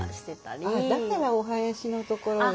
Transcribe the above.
だからお囃子のところが。